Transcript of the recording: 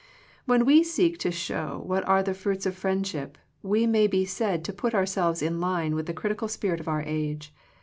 When we seek to show what are the fruits of friendship, we may be said to put ourselves in line with the critical spirit of our age.